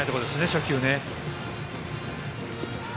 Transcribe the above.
初球ね。